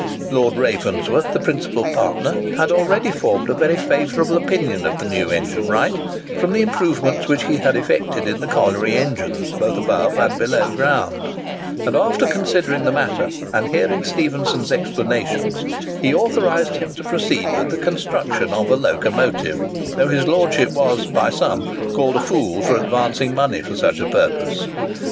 Lord Ravensworth, the principal partner, had already formed a very favourable opinion of the new engine wright, from the improvements which he had effected in the colliery engines, both above and below ground; and, after considering the matter, and hearing Stephenson's explanations, he authorised him to proceed with the construction of a locomotive,—though his lordship was, by some, called a fool for advancing money for such a purpose.